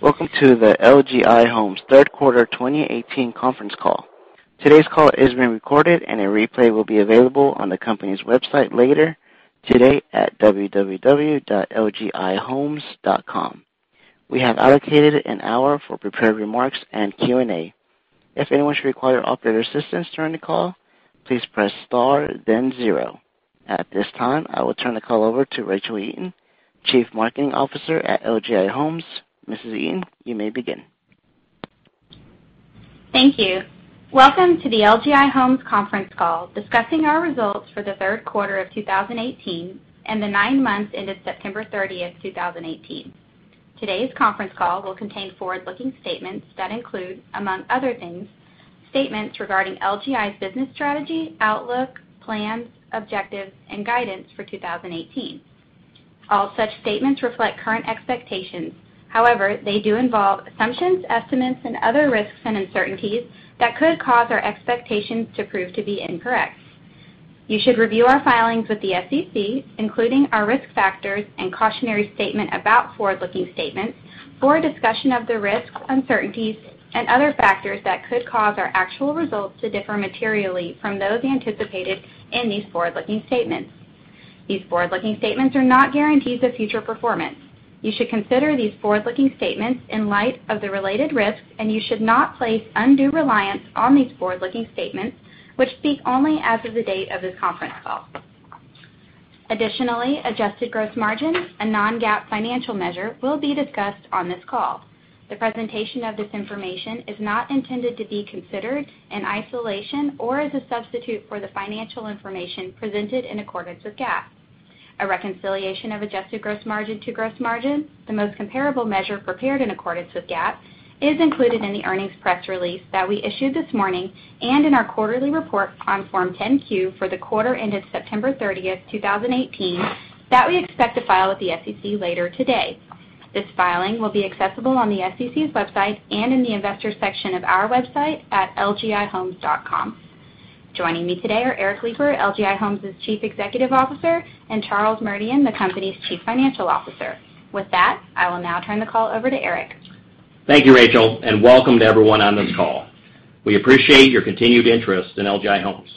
Welcome to the LGI Homes third quarter 2018 conference call. Today's call is being recorded, and a replay will be available on the company's website later today at lgihomes.com. We have allocated an hour for prepared remarks and Q&A. If anyone should require operator assistance during the call, please press star then zero. At this time, I will turn the call over to Rachel Eaton, Chief Marketing Officer at LGI Homes. Mrs. Eaton, you may begin. Thank you. Welcome to the LGI Homes conference call discussing our results for the third quarter of 2018 and the nine months ended September 30th, 2018. Today's conference call will contain forward-looking statements that include, among other things, statements regarding LGI's business strategy, outlook, plans, objectives, and guidance for 2018. All such statements reflect current expectations. However, they do involve assumptions, estimates, and other risks and uncertainties that could cause our expectations to prove to be incorrect. You should review our filings with the SEC, including our risk factors and cautionary statement about forward-looking statements for a discussion of the risks, uncertainties, and other factors that could cause our actual results to differ materially from those anticipated in these forward-looking statements. These forward-looking statements are not guarantees of future performance. You should consider these forward-looking statements in light of the related risks. You should not place undue reliance on these forward-looking statements, which speak only as of the date of this conference call. Additionally, adjusted gross margin, a non-GAAP financial measure, will be discussed on this call. The presentation of this information is not intended to be considered in isolation or as a substitute for the financial information presented in accordance with GAAP. A reconciliation of adjusted gross margin to gross margin, the most comparable measure prepared in accordance with GAAP, is included in the earnings press release that we issued this morning and in our quarterly report on Form 10-Q for the quarter ended September 30th, 2018, that we expect to file with the SEC later today. This filing will be accessible on the SEC's website and in the investor section of our website at lgihomes.com. Joining me today are Eric Lipar, LGI Homes' Chief Executive Officer, and Charles Merdian, the company's Chief Financial Officer. With that, I will now turn the call over to Eric. Thank you, Rachel, and welcome to everyone on this call. We appreciate your continued interest in LGI Homes.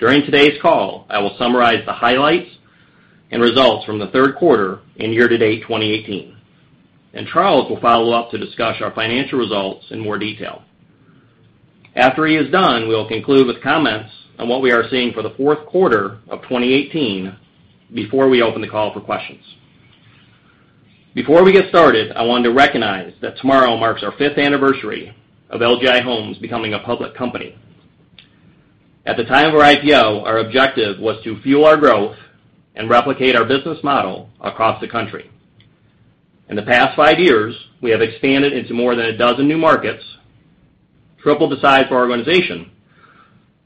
During today's call, I will summarize the highlights and results from the third quarter and year-to-date 2018, and Charles will follow up to discuss our financial results in more detail. After he is done, we will conclude with comments on what we are seeing for the fourth quarter of 2018 before we open the call for questions. Before we get started, I wanted to recognize that tomorrow marks our fifth anniversary of LGI Homes becoming a public company. At the time of our IPO, our objective was to fuel our growth and replicate our business model across the country. In the past five years, we have expanded into more than a dozen new markets, tripled the size of our organization,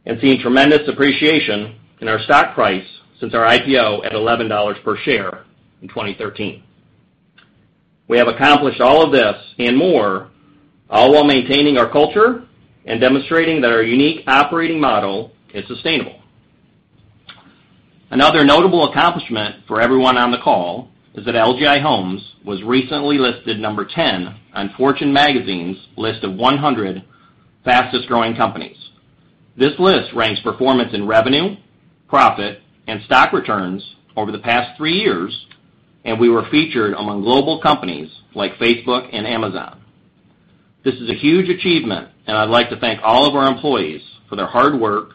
and seen tremendous appreciation in our stock price since our IPO at $11 per share in 2013. We have accomplished all of this and more, all while maintaining our culture and demonstrating that our unique operating model is sustainable. Another notable accomplishment for everyone on the call is that LGI Homes was recently listed number 10 on Fortune Magazine's list of 100 fastest-growing companies. This list ranks performance in revenue, profit, and stock returns over the past three years, and we were featured among global companies like Facebook and Amazon. This is a huge achievement, and I'd like to thank all of our employees for their hard work,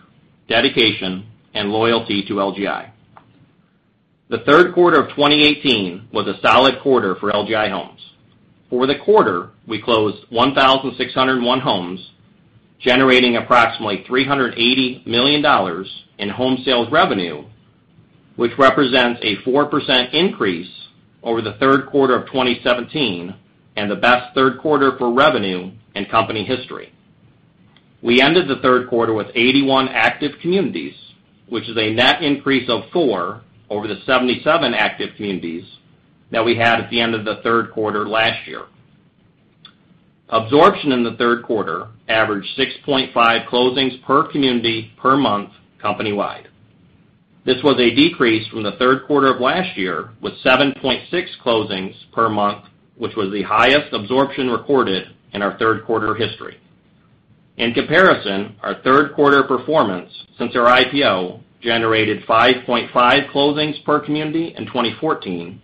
dedication, and loyalty to LGI. The third quarter of 2018 was a solid quarter for LGI Homes. For the quarter, we closed 1,601 homes, generating approximately $380 million in home sales revenue, which represents a 4% increase over the third quarter of 2017 and the best third quarter for revenue in company history. We ended the third quarter with 81 active communities, which is a net increase of four over the 77 active communities that we had at the end of the third quarter last year. Absorption in the third quarter averaged 6.5 closings per community per month company-wide. This was a decrease from the third quarter of last year, with 7.6 closings per month, which was the highest absorption recorded in our third-quarter history. In comparison, our third-quarter performance since our IPO generated 5.5 closings per community in 2014,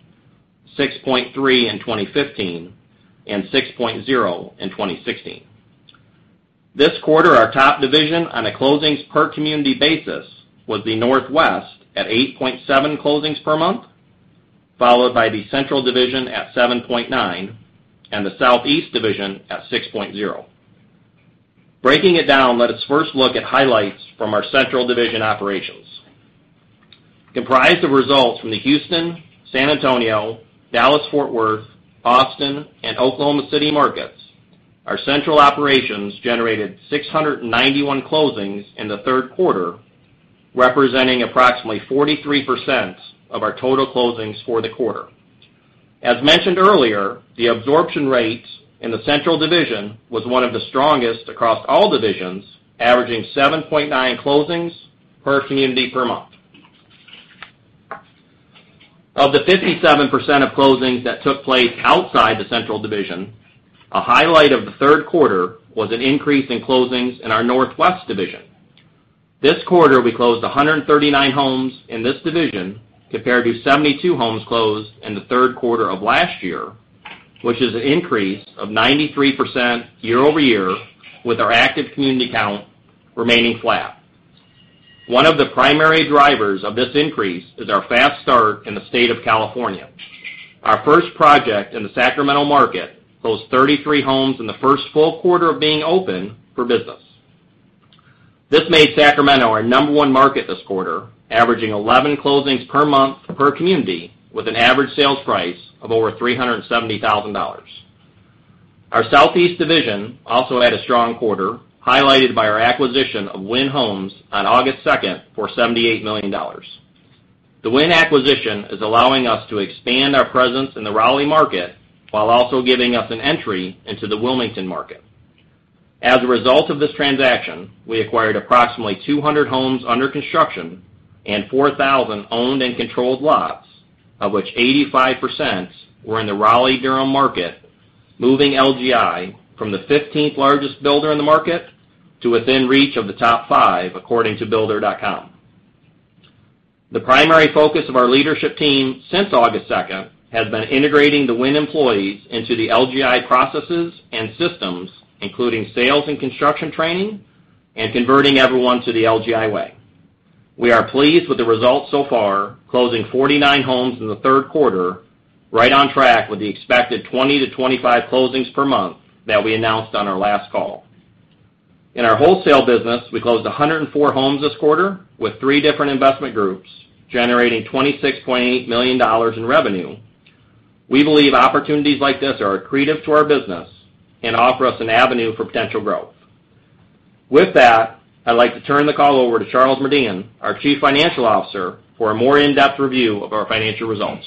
6.3 in 2015, and 6.0 in 2016. This quarter, our top division on a closings per community basis was the Northwest at 8.7 closings per month, followed by the Central Division at 7.9, and the Southeast division at 6.0. Breaking it down, let us first look at highlights from our Central Division operations. Comprised of results from the Houston, San Antonio, Dallas-Fort Worth, Austin, and Oklahoma City markets, our Central operations generated 691 closings in the third quarter, representing approximately 43% of our total closings for the quarter. As mentioned earlier, the absorption rates in the Central Division was one of the strongest across all divisions, averaging 7.9 closings per community per month. Of the 57% of closings that took place outside the Central Division, a highlight of the third quarter was an increase in closings in our Northwest Division. This quarter, we closed 139 homes in this division compared to 72 homes closed in the third quarter of last year, which is an increase of 93% year-over-year with our active community count remaining flat. One of the primary drivers of this increase is our fast start in the state of California. Our first project in the Sacramento market closed 33 homes in the first full quarter of being open for business. This made Sacramento our number 1 market this quarter, averaging 11 closings per month, per community, with an average sales price of over $370,000. Our Southeast Division also had a strong quarter, highlighted by our acquisition of Wynn Homes on August 2nd for $78 million. The Wynn acquisition is allowing us to expand our presence in the Raleigh market while also giving us an entry into the Wilmington market. As a result of this transaction, we acquired approximately 200 homes under construction and 4,000 owned and controlled lots, of which 85% were in the Raleigh-Durham market, moving LGI from the 15th largest builder in the market to within reach of the top 5, according to builder.com. The primary focus of our leadership team since August 2nd has been integrating the Wynn employees into the LGI processes and systems, including sales and construction training and converting everyone to the LGI way. We are pleased with the results so far, closing 49 homes in the third quarter, right on track with the expected 20 to 25 closings per month that we announced on our last call. In our wholesale business, we closed 104 homes this quarter with three different investment groups, generating $26.8 million in revenue. We believe opportunities like this are accretive to our business and offer us an avenue for potential growth. With that, I'd like to turn the call over to Charles Merdian, our Chief Financial Officer, for a more in-depth review of our financial results.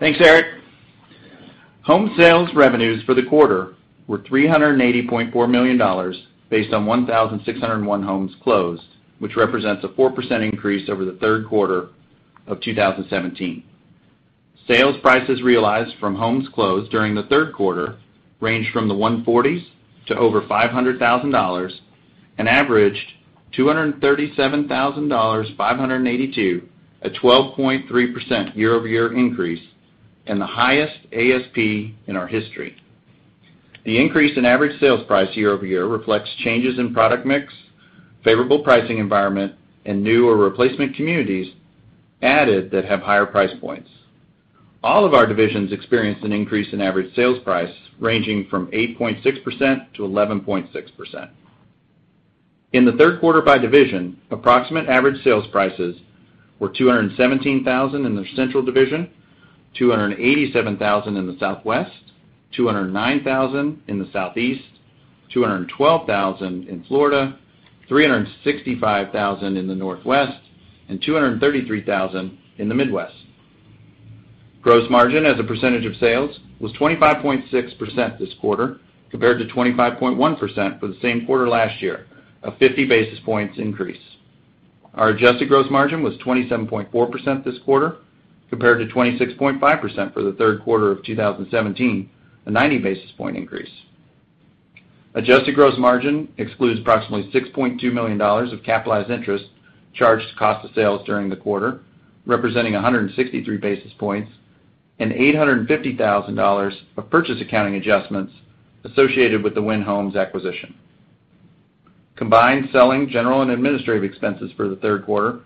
Thanks, Eric. Home sales revenues for the quarter were $380.4 million, based on 1,601 homes closed, which represents a 4% increase over the third quarter of 2017. Sales prices realized from homes closed during the third quarter ranged from the 140s to over $500,000 and averaged $237,582, a 12.3% year-over-year increase and the highest ASP in our history. The increase in average sales price year-over-year reflects changes in product mix, favorable pricing environment in new or replacement communities added that have higher price points. All of our divisions experienced an increase in average sales price, ranging from 8.6%-11.6%. In the third quarter by division, approximate average sales prices were $217,000 in the Central Division, $287,000 in the Southwest, $209,000 in the Southeast, $212,000 in Florida, $365,000 in the Northwest, and $233,000 in the Midwest. Gross margin as a percentage of sales was 25.6% this quarter, compared to 25.1% for the same quarter last year, a 50 basis points increase. Our adjusted gross margin was 27.4% this quarter, compared to 26.5% for the third quarter of 2017, a 90 basis point increase. Adjusted gross margin excludes approximately $6.2 million of capitalized interest charged to cost of sales during the quarter, representing 163 basis points and $850,000 of purchase accounting adjustments associated with the Wynn Homes acquisition. Combined selling, general, and administrative expenses for the third quarter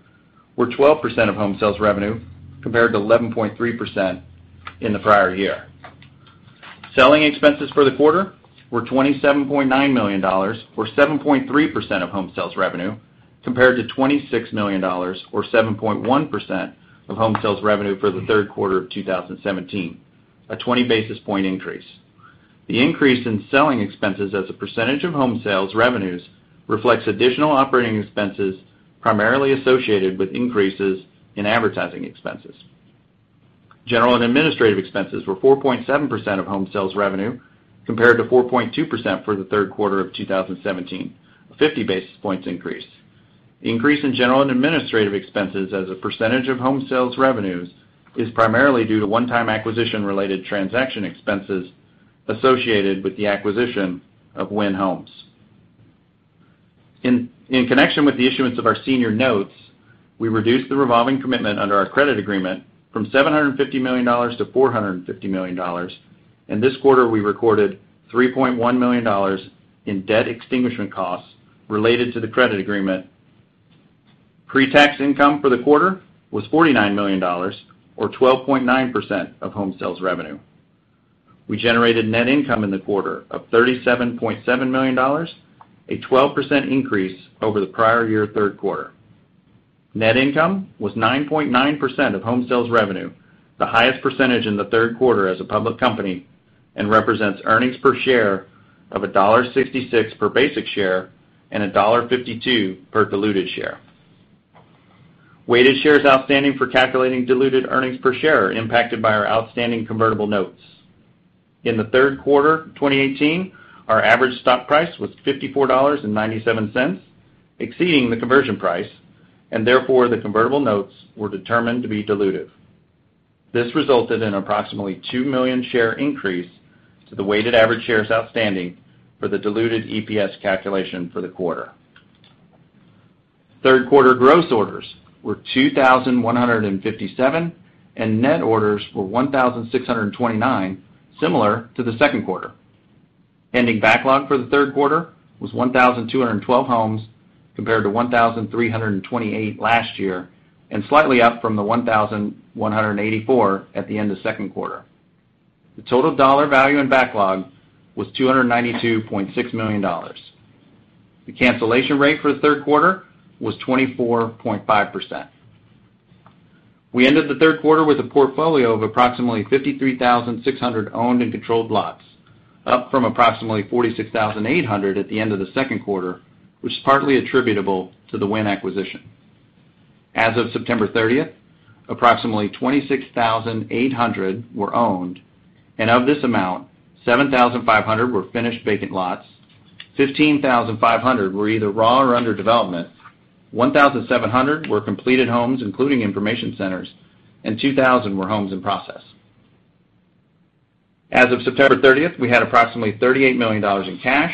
were 12% of home sales revenue, compared to 11.3% in the prior year. Selling expenses for the quarter were $27.9 million, or 7.3% of home sales revenue, compared to $26 million, or 7.1% of home sales revenue for the third quarter of 2017, a 20 basis point increase. The increase in selling expenses as a percentage of home sales revenues reflects additional operating expenses, primarily associated with increases in advertising expenses. General and administrative expenses were 4.7% of home sales revenue, compared to 4.2% for the third quarter of 2017, a 50 basis points increase. The increase in general and administrative expenses as a percentage of home sales revenues is primarily due to one-time acquisition-related transaction expenses associated with the acquisition of Wynn Homes. In connection with the issuance of our senior notes, we reduced the revolving commitment under our credit agreement from $750 million to $450 million, and this quarter we recorded $3.1 million in debt extinguishment costs related to the credit agreement. Pre-tax income for the quarter was $49 million, or 12.9% of home sales revenue. We generated net income in the quarter of $37.7 million, a 12% increase over the prior year third quarter. Net income was 9.9% of home sales revenue, the highest percentage in the third quarter as a public company, and represents earnings per share of $1.66 per basic share and $1.52 per diluted share. Weighted shares outstanding for calculating diluted earnings per share are impacted by our outstanding convertible notes. In the third quarter 2018, our average stock price was $54.97, exceeding the conversion price, and therefore the convertible notes were determined to be dilutive. This resulted in approximately 2 million share increase to the weighted average shares outstanding for the diluted EPS calculation for the quarter. Third quarter gross orders were 2,157, and net orders were 1,629, similar to the second quarter. Ending backlog for the third quarter was 1,212 homes, compared to 1,328 last year, and slightly up from the 1,184 at the end of second quarter. The total dollar value in backlog was $292.6 million. The cancellation rate for the third quarter was 24.5%. We ended the third quarter with a portfolio of approximately 53,600 owned and controlled lots, up from approximately 46,800 at the end of the second quarter, which is partly attributable to the Wynn acquisition. As of September 30th, approximately 26,800 were owned, and of this amount, 7,500 were finished vacant lots, 15,500 were either raw or under development, 1,700 were completed homes, including information centers, and 2,000 were homes in process. As of September 30th, we had approximately $38 million in cash,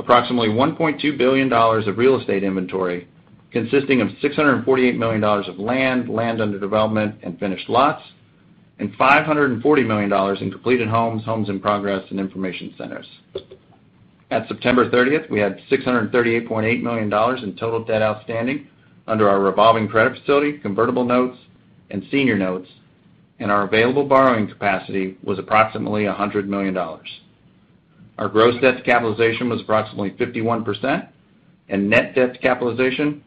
approximately $1.2 billion of real estate inventory, consisting of $648 million of land under development, and finished lots, and $540 million in completed homes in progress, and information centers. At September 30th, we had $638.8 million in total debt outstanding under our revolving credit facility, convertible notes, and senior notes, and our available borrowing capacity was approximately $100 million. Our gross debt to capitalization was approximately 51%, and net debt to capitalization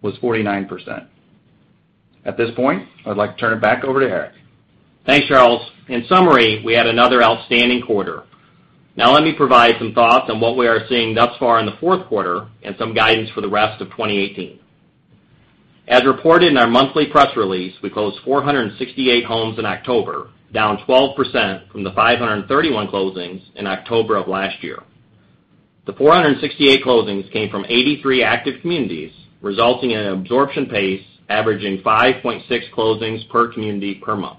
was 49%. At this point, I'd like to turn it back over to Eric. Thanks, Charles. In summary, we had another outstanding quarter. Let me provide some thoughts on what we are seeing thus far in the fourth quarter and some guidance for the rest of 2018. As reported in our monthly press release, we closed 468 homes in October, down 12% from the 531 closings in October of last year. The 468 closings came from 83 active communities, resulting in an absorption pace averaging 5.6 closings per community per month.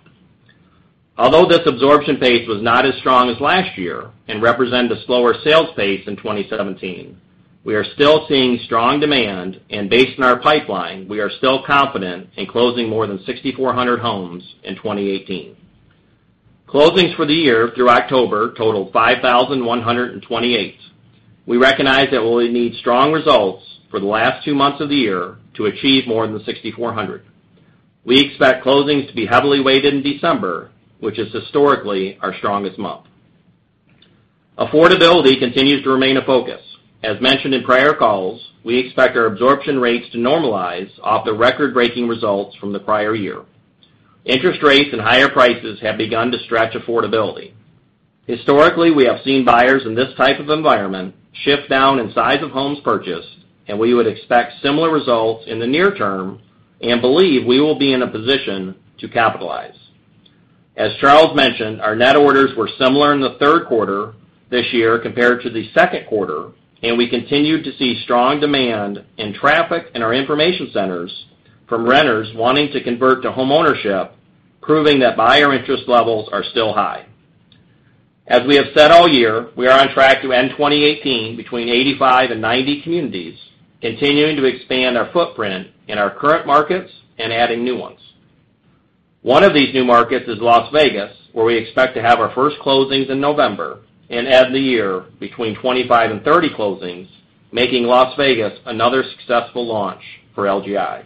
Although this absorption pace was not as strong as last year and represent a slower sales pace in 2017, we are still seeing strong demand, and based on our pipeline, we are still confident in closing more than 6,400 homes in 2018. Closings for the year through October totaled 5,128. We recognize that we'll need strong results for the last two months of the year to achieve more than 6,400. We expect closings to be heavily weighted in December, which is historically our strongest month. Affordability continues to remain a focus. As mentioned in prior calls, we expect our absorption rates to normalize off the record-breaking results from the prior year. Interest rates and higher prices have begun to stretch affordability. Historically, we have seen buyers in this type of environment shift down in size of homes purchased, and we would expect similar results in the near term and believe we will be in a position to capitalize. As Charles mentioned, our net orders were similar in the third quarter this year compared to the second quarter, and we continued to see strong demand in traffic in our information centers from renters wanting to convert to homeownership, proving that buyer interest levels are still high. As we have said all year, we are on track to end 2018 between 85 and 90 communities, continuing to expand our footprint in our current markets and adding new ones. One of these new markets is Las Vegas, where we expect to have our first closings in November and end the year between 25 and 30 closings, making Las Vegas another successful launch for LGI.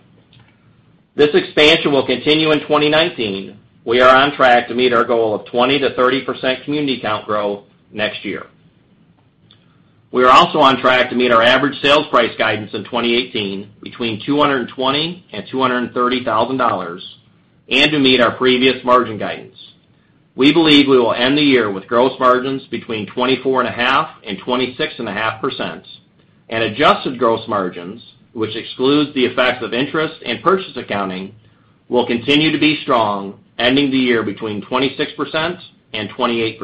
This expansion will continue in 2019. We are on track to meet our goal of 20%-30% community count growth next year. We are also on track to meet our average sales price guidance in 2018 between $220,000-$230,000, and to meet our previous margin guidance. We believe we will end the year with gross margins between 24.5% and 26.5%, and adjusted gross margins, which excludes the effects of interest and purchase accounting, will continue to be strong, ending the year between 26% and 28%.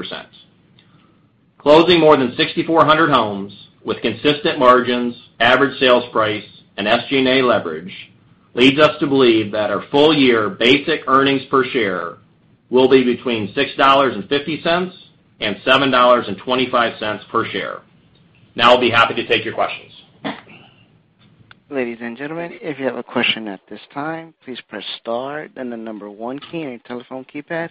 Closing more than 6,400 homes with consistent margins, average sales price, and SG&A leverage leads us to believe that our full year basic earnings per share will be between $6.50 and $7.25 per share. I'll be happy to take your questions. Ladies and gentlemen, if you have a question at this time, please press star then the number one key on your telephone keypad.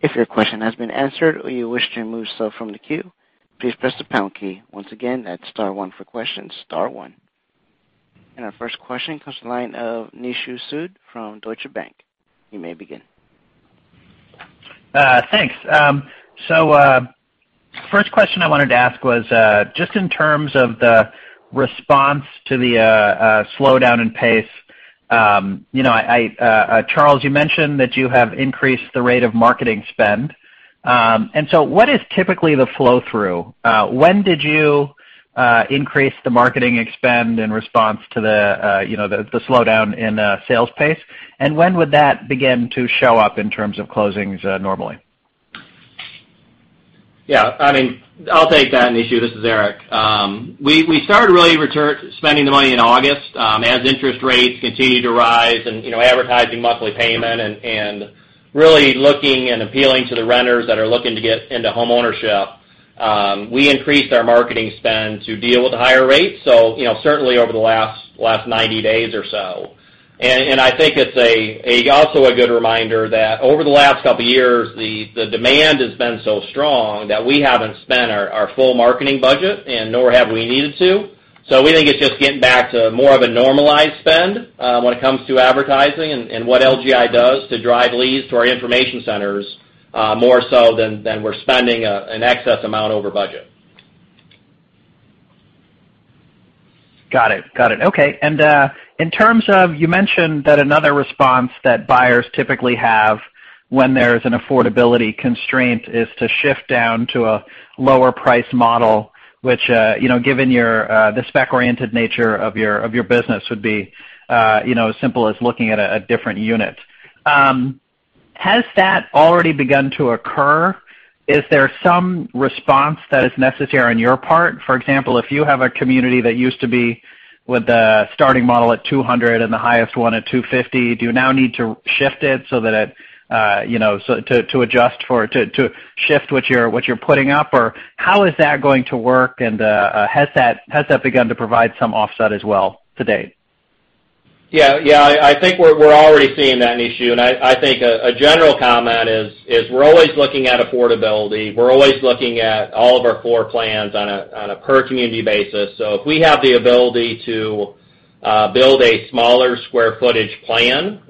If your question has been answered or you wish to remove yourself from the queue, please press the pound key. Once again, that's star one for questions, star one. Our first question comes from the line of Nishu Sood from Deutsche Bank. You may begin. Thanks. First question I wanted to ask was just in terms of the response to the slowdown in pace, Charles, you mentioned that you have increased the rate of marketing spend. What is typically the flow-through? When did you increase the marketing spend in response to the slowdown in sales pace? When would that begin to show up in terms of closings normally? Yeah. I'll take that, Nishu. This is Eric. We started really spending the money in August. As interest rates continue to rise, and advertising monthly payment, and really looking and appealing to the renters that are looking to get into homeownership, we increased our marketing spend to deal with the higher rates, certainly over the last 90 days or so. I think it's also a good reminder that over the last couple of years, the demand has been so strong that we haven't spent our full marketing budget, nor have we needed to. We think it's just getting back to more of a normalized spend when it comes to advertising and what LGI does to drive leads to our information centers more so than we're spending an excess amount over budget. Got it. Okay. In terms of, you mentioned that another response that buyers typically have when there's an affordability constraint is to shift down to a lower price model, which, given the spec-oriented nature of your business, would be as simple as looking at a different unit. Has that already begun to occur? Is there some response that is necessary on your part? For example, if you have a community that used to be with the starting model at 200 and the highest one at 250, do you now need to shift it to adjust for it, to shift what you're putting up, or how is that going to work, and has that begun to provide some offset as well to date? Yeah. I think we're already seeing that, Nishu, I think a general comment is we're always looking at affordability. We're always looking at all of our floor plans on a per-community basis. If we have the ability to build a smaller square footage plan,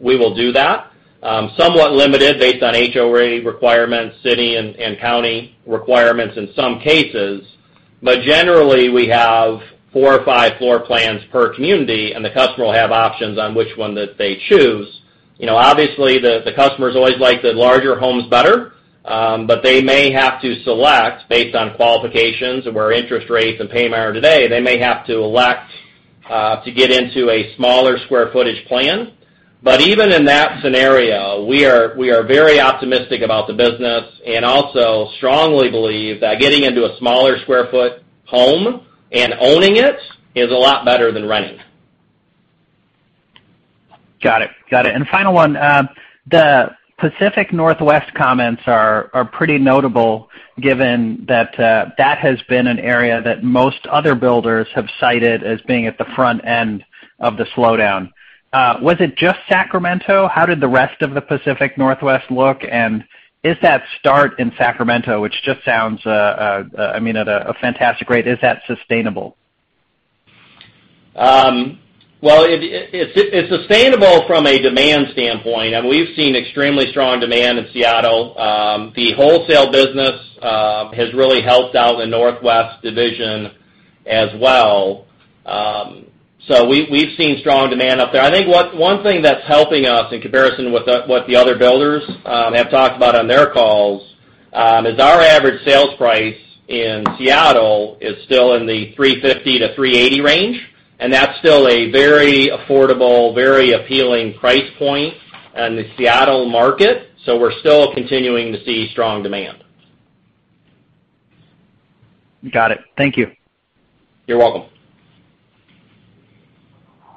we will do that. Somewhat limited based on HOA requirements, city and county requirements in some cases, generally, we have four or five floor plans per community, and the customer will have options on which one that they choose. Obviously, the customers always like the larger homes better, they may have to select based on qualifications and where interest rates and payment are today. They may have to elect to get into a smaller square footage plan. Even in that scenario, we are very optimistic about the business and also strongly believe that getting into a smaller square foot home and owning it is a lot better than renting. Got it. Final one, the Pacific Northwest comments are pretty notable given that that has been an area that most other builders have cited as being at the front end of the slowdown. Was it just Sacramento? How did the rest of the Pacific Northwest look, and is that start in Sacramento, which just sounds at a fantastic rate, is that sustainable? Well, it's sustainable from a demand standpoint, we've seen extremely strong demand in Seattle. The wholesale business has really helped out the Northwest division as well. We've seen strong demand up there. I think one thing that's helping us in comparison with what the other builders have talked about on their calls, is our average sales price in Seattle is still in the $350-$380 range, that's still a very affordable, very appealing price point in the Seattle market. We're still continuing to see strong demand. Got it. Thank you. You're welcome.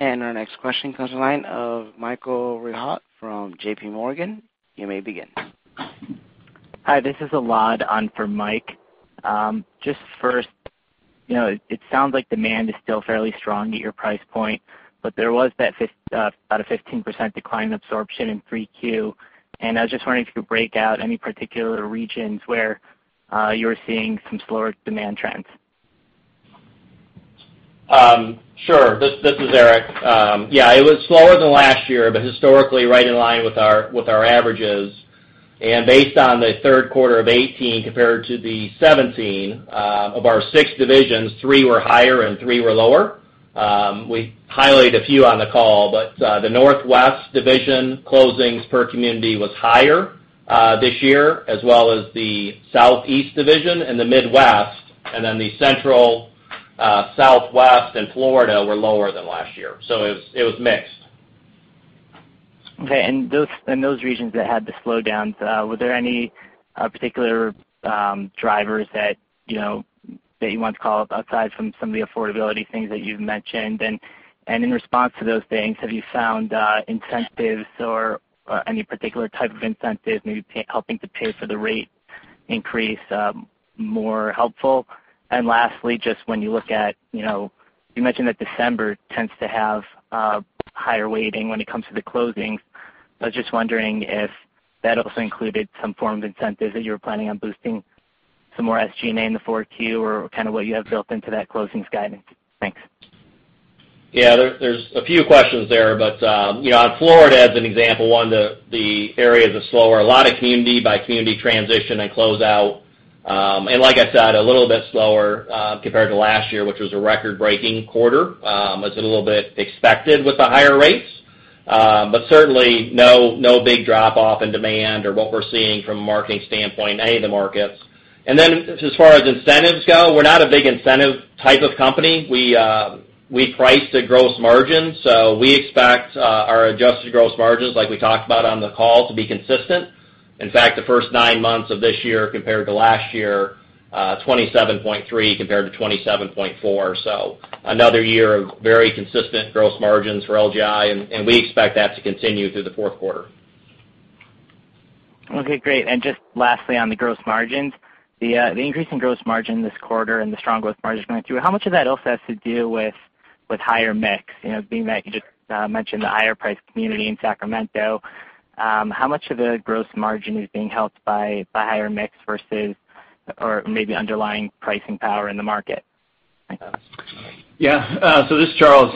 Our next question comes to the line of Michael Rehaut from JPMorgan. You may begin. Hi, this is Elad on for Mike. First, it sounds like demand is still fairly strong at your price point, but there was about a 15% decline in absorption in 3Q. I was just wondering if you could break out any particular regions where you are seeing some slower demand trends. Sure. This is Eric. Yeah, it was slower than last year, historically right in line with our averages. Based on the third quarter of 2018 compared to the 2017, of our six divisions, three were higher and three were lower. We highlighted a few on the call, the Northwest division closings per community was higher this year, as well as the Southeast division and the Midwest, then the Central, Southwest, and Florida were lower than last year. It was mixed. Okay. In those regions that had the slowdowns, were there any particular drivers that you want to call out aside from some of the affordability things that you have mentioned? In response to those things, have you found incentives or any particular type of incentive, maybe helping to pay for the rate increase, more helpful? Lastly, you mentioned that December tends to have higher weighting when it comes to the closings. I was just wondering if that also included some form of incentives that you were planning on boosting some more SG&A in the 4Q or kind of what you have built into that closings guidance. Thanks. Yeah, there is a few questions there, on Florida, as an example, one, the areas of slower, a lot of community-by-community transition and closeout. Like I said, a little bit slower compared to last year, which was a record-breaking quarter. It is a little bit expected with the higher rates. Certainly, no big drop off in demand or what we are seeing from a marketing standpoint in any of the markets. As far as incentives go, we are not a big incentive type of company. We price to gross margins, we expect our adjusted gross margins, like we talked about on the call, to be consistent. In fact, the first nine months of this year compared to last year, 27.3% compared to 27.4%. Another year of very consistent gross margins for LGI, and we expect that to continue through the fourth quarter. Okay, great. Just lastly, on the gross margins, the increase in gross margin this quarter and the strong gross margins going through, how much of that also has to do with higher mix? Being that you just mentioned the higher priced community in Sacramento, how much of the gross margin is being helped by higher mix versus, or maybe underlying pricing power in the market? Yeah. This is Charles.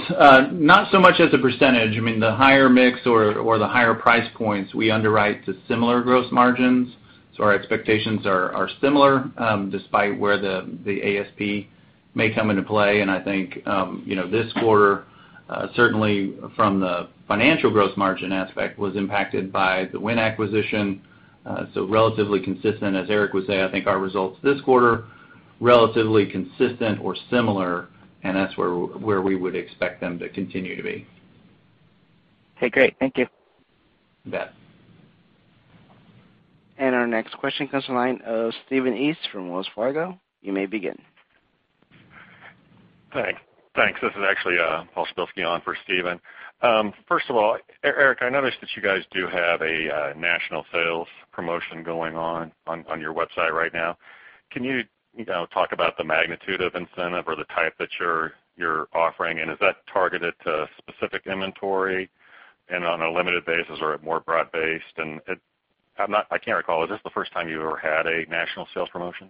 Not so much as a percentage, the higher mix or the higher price points, we underwrite to similar gross margins. Our expectations are similar, despite where the ASP may come into play. I think, this quarter, certainly from the financial gross margin aspect, was impacted by the Wynn acquisition. Relatively consistent, as Eric was saying, I think our results this quarter, relatively consistent or similar, and that's where we would expect them to continue to be. Okay, great. Thank you. You bet. Our next question comes to the line of Stephen East from Wells Fargo. You may begin. Thanks. This is actually Paul Smilski on for Stephen. First of all, Eric, I noticed that you guys do have a national sales promotion going on your website right now. Can you talk about the magnitude of incentive or the type that you're offering? Is that targeted to specific inventory and on a limited basis, or more broad-based? I can't recall, is this the first time you've ever had a national sales promotion?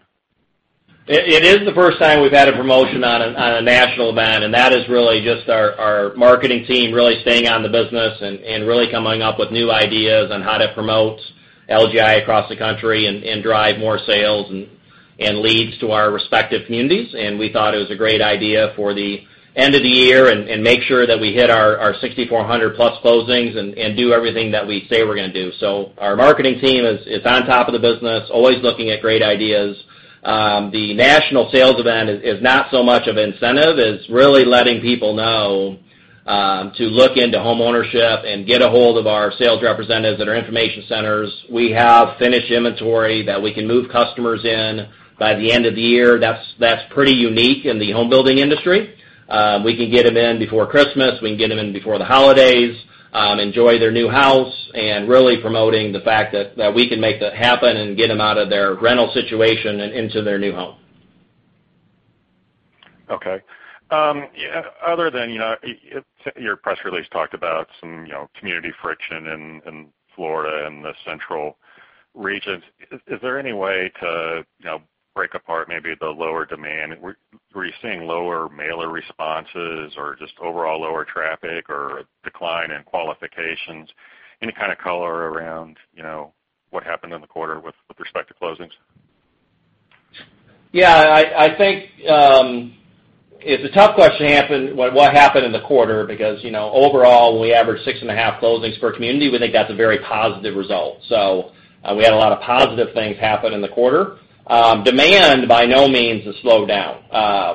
It is the first time we've had a promotion on a national event, that is really just our marketing team really staying on the business and really coming up with new ideas on how to promote LGI across the country and drive more sales and leads to our respective communities. We thought it was a great idea for the end of the year and make sure that we hit our 6,400-plus closings and do everything that we say we're going to do. Our marketing team is on top of the business, always looking at great ideas. The national sales event is not so much of incentive. It's really letting people know to look into homeownership and get ahold of our sales representatives at our information centers. We have finished inventory that we can move customers in by the end of the year. That's pretty unique in the home building industry. We can get them in before Christmas, we can get them in before the holidays, enjoy their new house, really promoting the fact that we can make that happen and get them out of their rental situation and into their new home. Your press release talked about some community friction in Florida and the central regions. Is there any way to break apart maybe the lower demand? Were you seeing lower mailer responses or just overall lower traffic or a decline in qualifications? Any kind of color around what happened in the quarter with respect to closings? I think it's a tough question, what happened in the quarter, because overall, we average six and a half closings per community. We think that's a very positive result. We had a lot of positive things happen in the quarter. Demand by no means has slowed down.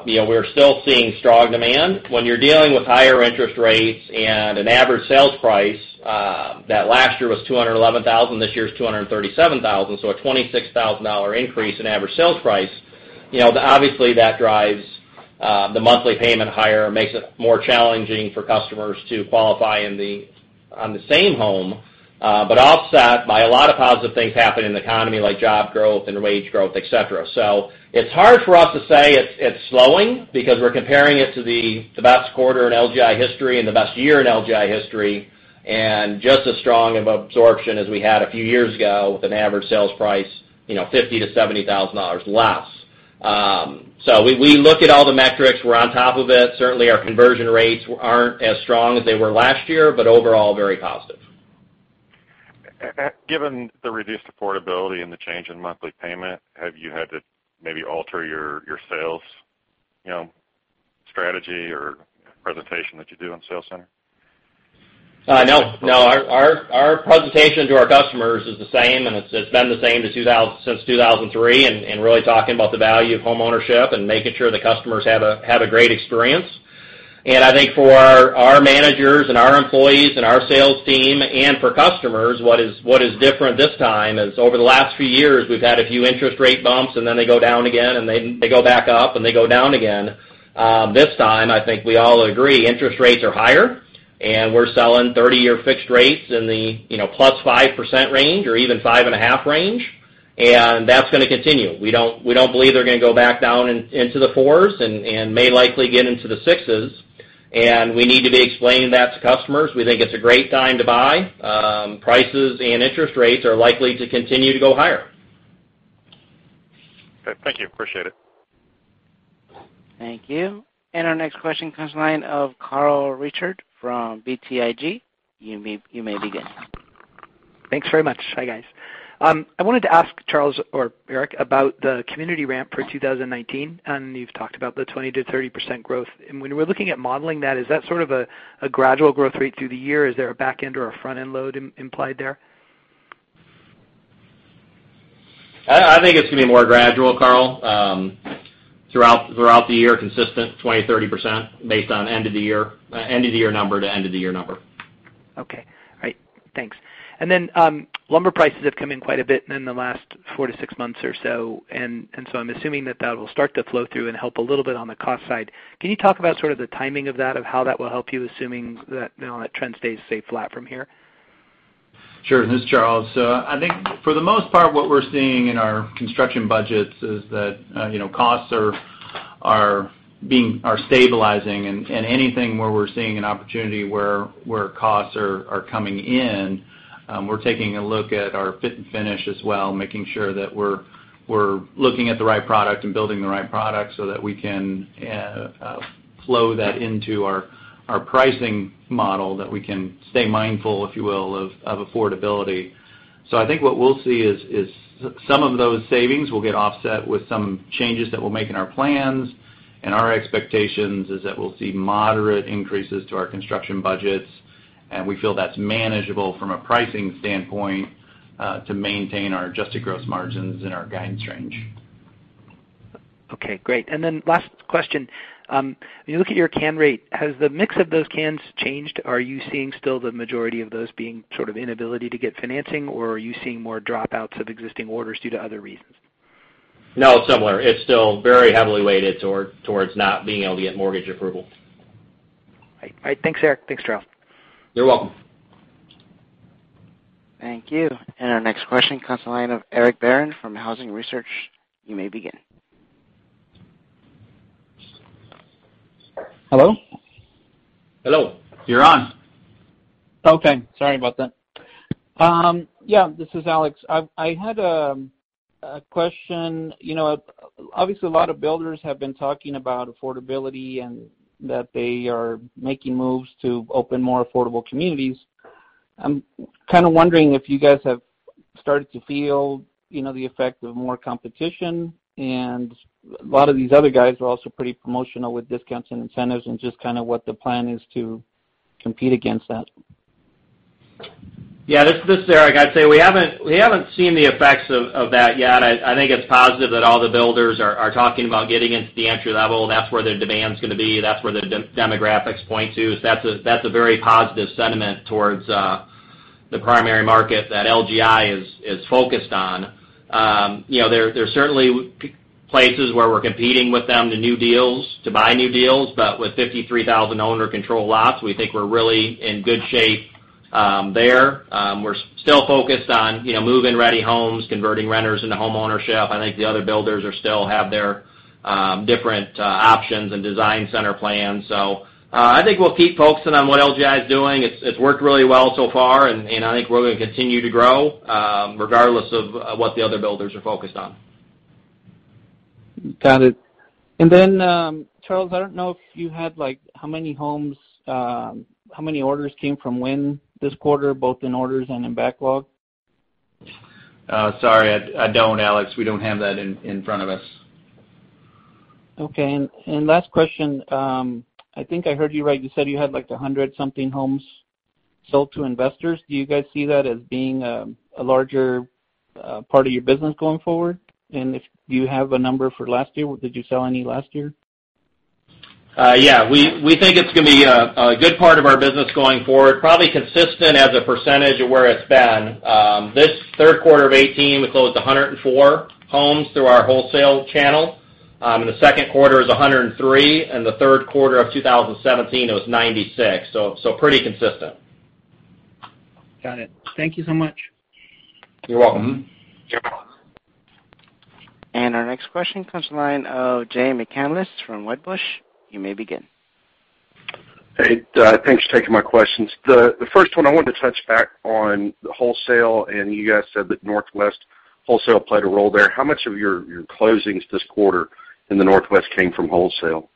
We're still seeing strong demand. When you're dealing with higher interest rates and an average sales price that last year was $211,000, this year is $237,000, a $26,000 increase in average sales price, obviously that drives the monthly payment higher and makes it more challenging for customers to qualify on the same home, offset by a lot of positive things happening in the economy, like job growth and wage growth, et cetera. It's hard for us to say it's slowing because we're comparing it to the best quarter in LGI history and the best year in LGI history, and just as strong of absorption as we had a few years ago with an average sales price $50,000-$70,000 less. We look at all the metrics. We're on top of it. Certainly, our conversion rates aren't as strong as they were last year, overall, very positive. Given the reduced affordability and the change in monthly payment, have you had to maybe alter your sales strategy or presentation that you do in the sales center? No. Our presentation to our customers is the same, and it's been the same since 2003, and really talking about the value of homeownership and making sure the customers have a great experience. I think for our managers and our employees and our sales team and for customers, what is different this time is over the last few years, we've had a few interest rate bumps, and then they go down again, and they go back up, and they go down again. This time, I think we all agree, interest rates are higher, and we're selling 30-year fixed rates in the plus 5% range or even 5.5% range, and that's going to continue. We don't believe they're going to go back down into the 4s and may likely get into the 6s. We need to be explaining that to customers. We think it's a great time to buy. Prices and interest rates are likely to continue to go higher. Okay. Thank you. Appreciate it. Thank you. Our next question comes line of Carl Reichardt from BTIG. You may begin. Thanks very much. Hi, guys. I wanted to ask Charles or Eric about the community ramp for 2019. You've talked about the 20%-30% growth. When we're looking at modeling that, is that sort of a gradual growth rate through the year? Is there a back end or a front end load implied there? I think it's going to be more gradual, Carl, throughout the year, consistent 20%-30% based on end of the year number to end of the year number. Okay. All right. Thanks. Then lumber prices have come in quite a bit in the last four to six months or so. So I'm assuming that that will start to flow through and help a little bit on the cost side. Can you talk about sort of the timing of that, of how that will help you, assuming that trend stays say flat from here? Sure. This is Charles. I think for the most part, what we're seeing in our construction budgets is that costs are stabilizing. Anything where we're seeing an opportunity where costs are coming in, we're taking a look at our fit and finish as well, making sure that we're looking at the right product and building the right product so that we can flow that into our pricing model, that we can stay mindful, if you will, of affordability. I think what we'll see is some of those savings will get offset with some changes that we'll make in our plans. Our expectations is that we'll see moderate increases to our construction budgets, and we feel that's manageable from a pricing standpoint to maintain our adjusted gross margins in our guidance range. Okay, great. Last question. When you look at your cancellation rate, has the mix of those CANs changed? Are you seeing still the majority of those being sort of inability to get financing, or are you seeing more dropouts of existing orders due to other reasons? No, similar. It's still very heavily weighted towards not being able to get mortgage approval. All right. Thanks, Eric. Thanks, Charles. You're welcome. Thank you. Our next question comes to the line of Alex Barron from Housing Research. You may begin. Hello? Hello. You're on. Okay. Sorry about that. Yeah, this is Alex. I had a question. Obviously, a lot of builders have been talking about affordability and that they are making moves to open more affordable communities. I'm kind of wondering if you guys have started to feel the effect of more competition, and a lot of these other guys are also pretty promotional with discounts and incentives and just kind of what the plan is to compete against that. Yeah. This is Eric. I'd say we haven't seen the effects of that yet. I think it's positive that all the builders are talking about getting into the entry level. That's where their demand is going to be. That's where the demographics point to. That's a very positive sentiment towards the primary market that LGI is focused on. There's certainly places where we're competing with them to buy new deals, but with 53,000 owner-controlled lots, we think we're really in good shape there. We're still focused on move-in-ready homes, converting renters into homeownership. I think the other builders still have their different options and design center plans. I think we'll keep focusing on what LGI is doing. It's worked really well so far, and I think we're going to continue to grow, regardless of what the other builders are focused on. Got it. Charles, I don't know if you had how many orders came from Wynn this quarter, both in orders and in backlog? Sorry, I don't, Alex. We don't have that in front of us. Okay. Last question, I think I heard you right, you said you had like 100 something homes sold to investors. Do you guys see that as being a larger part of your business going forward? If you have a number for last year, did you sell any last year? Yeah. We think it's going to be a good part of our business going forward, probably consistent as a percentage of where it's been. This third quarter of 2018, we closed 104 homes through our wholesale channel. In the second quarter, it was 103, the third quarter of 2017, it was 96. Pretty consistent. Got it. Thank you so much. You're welcome. You're welcome. Our next question comes to the line of Jay McCanless from Wedbush. You may begin. Hey, thanks for taking my questions. The first one, I wanted to touch back on the wholesale. You guys said that Northwest wholesale played a role there. How much of your closings this quarter in the Northwest came from wholesale?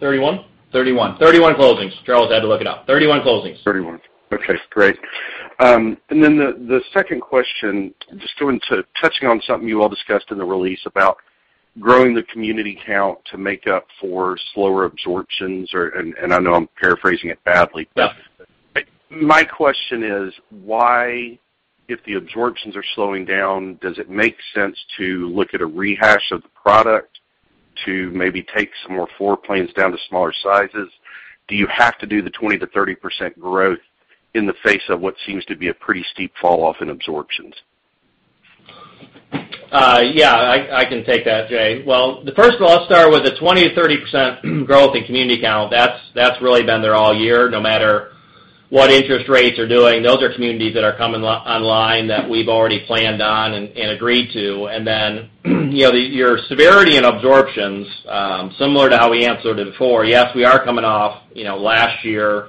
31 closings. Charles had to look it up. 31 closings. 31. Okay, great. The second question, just touching on something you all discussed in the release about growing the community count to make up for slower absorptions. I know I'm paraphrasing it badly, but my question is, why if the absorptions are slowing down, does it make sense to look at a rehash of the product to maybe take some more floor plans down to smaller sizes? Do you have to do the 20%-30% growth in the face of what seems to be a pretty steep fall off in absorptions? Yeah, I can take that, Jay. First of all, I'll start with the 20%-30% growth in community count. That's really been there all year, no matter what interest rates are doing. Those are communities that are coming online that we've already planned on and agreed to. Your severity in absorptions, similar to how we answered it before, yes, we are coming off last year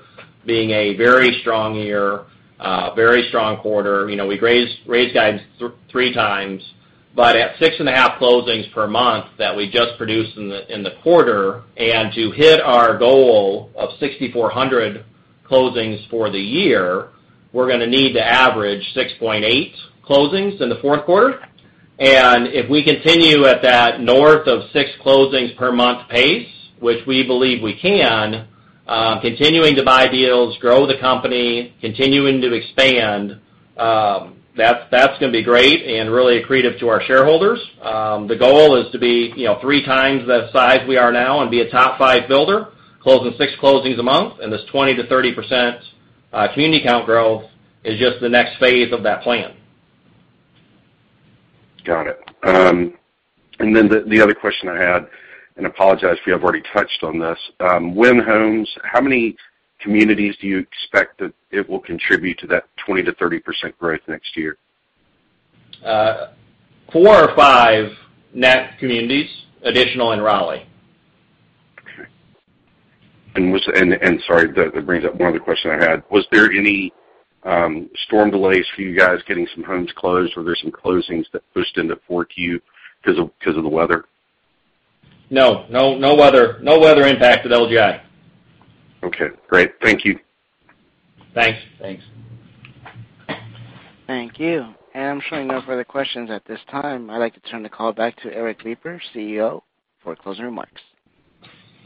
being a very strong year, very strong quarter. We raised guidance 3 times. At 6.5 closings per month that we just produced in the quarter, to hit our goal of 6,400 closings for the year, we're going to need to average 6.8 closings in the fourth quarter. If we continue at that north of six closings per month pace, which we believe we can, continuing to buy deals, grow the company, continuing to expand, that's going to be great and really accretive to our shareholders. The goal is to be three times the size we are now and be a top five builder closing six closings a month, and this 20%-30% community count growth is just the next phase of that plan. Got it. The other question I had, and apologize if you have already touched on this. Wynn Homes, how many communities do you expect that it will contribute to that 20%-30% growth next year? Four or five net communities additional in Raleigh. Okay. Sorry, that brings up one other question I had. Was there any storm delays for you guys getting some homes closed? Were there some closings that pushed into 4Q because of the weather? No. No weather impact at LGI. Okay, great. Thank you. Thanks. Thanks. Thank you. I'm showing no further questions at this time. I'd like to turn the call back to Eric Lipar, CEO, for closing remarks.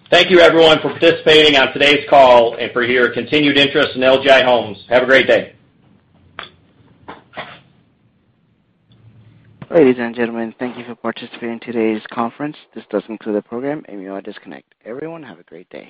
Thank you, everyone, for participating on today's call and for your continued interest in LGI Homes. Have a great day. Ladies and gentlemen, thank you for participating in today's conference. This does conclude the program, and you may all disconnect. Everyone, have a great day.